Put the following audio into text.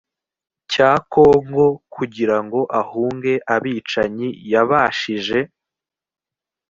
cya kongo kugira ngo ahunge abicanyi yabashije